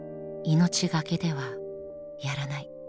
命懸けではやらない。